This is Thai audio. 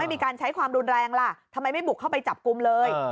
มีการใช้ความรุนแรงล่ะทำไมไม่บุกเข้าไปจับกลุ่มเลย